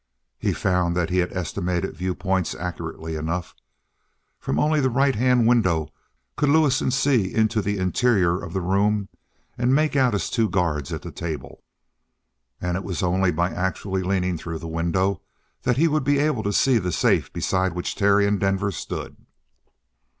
He found that he had estimated viewpoints accurately enough. From only the right hand window could Lewison see into the interior of the room and make out his two guards at the table. And it was only by actually leaning through the window that he would be able to see the safe beside which Terry and Denver stood.